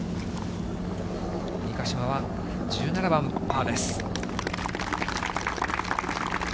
三ヶ島は１７番パーです。